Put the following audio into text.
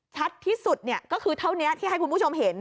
ชัดที่สุดก็คือเท่านี้ที่ให้คุณผู้ชมเห็น